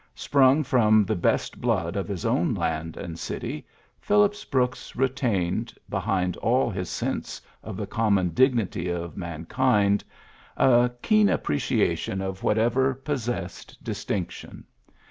Sprung from the best blood of his own land and city, Phillips Brooks retained, behind all his sense of the common dignity of man kind, a keen appreciation of whatever 86 PHILLIPS BROOKS possessed distinction.